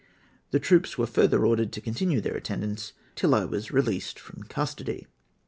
The troops were further ordered to continue their attendance till I was released from custody.